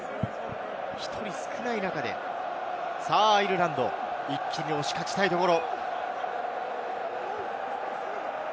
１人少ない中でアイルランド、一気に押し勝ちたいところ。